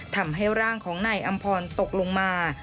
ทำให้ร่างของนายอำพรตกลงมา